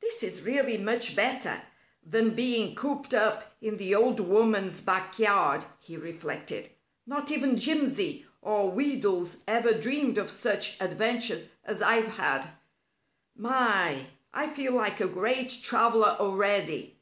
"This is really much better than being cooped up in the old woman's backyard," he reflected. "Not even Jimsy or Wheedles ever dreamed of such adventures as I've had. My! I feel like a great traveler already."